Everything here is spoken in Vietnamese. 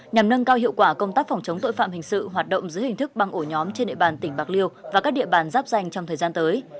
nhằm nâng cao hiệu quả công tác phòng chống tội phạm hình sự hoạt động dưới hình thức băng ổ nhóm trên địa bàn tỉnh bạc liêu và các địa bàn giáp danh trong thời gian tới